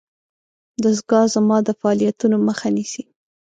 دستګاه زما د فعالیتونو مخه نیسي.